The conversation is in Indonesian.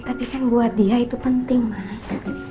tapi kan buat dia itu penting mas